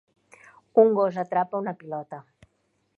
Un gos atrapa una pilota